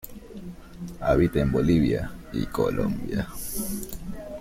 Habita en Bolivia y Colombia.